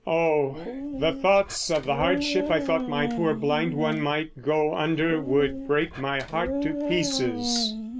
Oh, the thoughts of the hardship I thought my poor blind one might go under would break my heart to pieces.